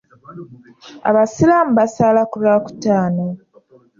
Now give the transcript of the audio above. Abasiraamu basaala ku lwakutaano.